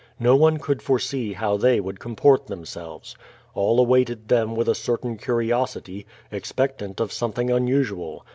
No one could foresee how they would comport themselves. All awaited them with a certain curiosity, expectant of something unusual.